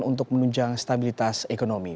untuk menunjang stabilitas ekonomi